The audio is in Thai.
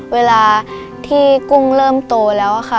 เวลาที่กุ้งเริ่มโตแล้วค่ะ